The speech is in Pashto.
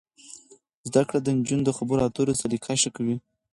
زده کړه د نجونو د خبرو اترو سلیقه ښه کوي.